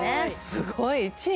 すごい１位？